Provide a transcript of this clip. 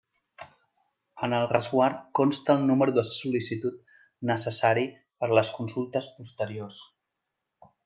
En el resguard consta el número de sol·licitud, necessari per a les consultes posteriors.